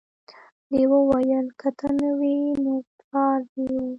لیوه وویل که ته نه وې نو پلار دې و.